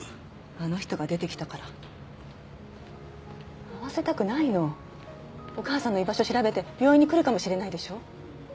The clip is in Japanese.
あの人が出てきたから会わせたくないのお母さんの居場所調べて病院に来るかもしれないでしょう